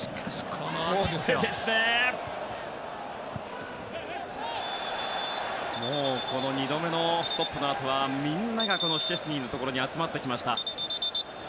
この２度目のストップのあとはみんながシュチェスニーに集まってきました。